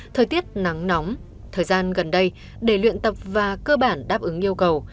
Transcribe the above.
thời tiết nắng nóng thời gian gần đây để luyện tập và cơ bản đáp ứng yêu cầu